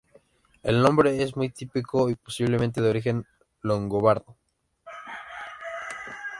El nombre es muy típico y posiblemente de origen longobardo.